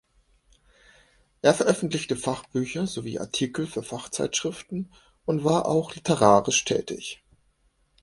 Er veröffentlichte Fachbücher sowie Artikel für Fachzeitschriften und war auch literarisch tätig.